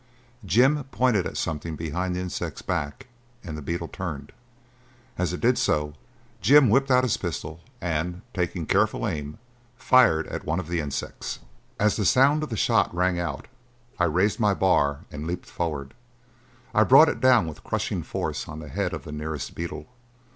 Jim pointed at something behind the insect's back and the beetle turned. As it did so, Jim whipped out his pistol and, taking careful aim, fired at one of the insects. As the sound of the shot rang out I raised my bar and leaped forward. I brought it down with crushing force on the head of the nearest beetle.